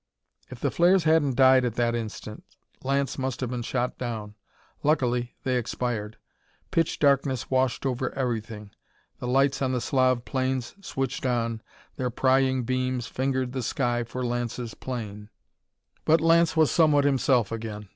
If the flares hadn't died at that instant, Lance must have been shot down. Luckily, they expired; pitch darkness washed over everything. The lights on the Slav planes switched on, their prying beams fingering the sky for Lance's plane. But Lance was somewhat himself again.